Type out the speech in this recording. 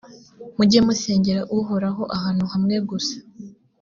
mujye musengera uhoraho ahantu hamwe gusa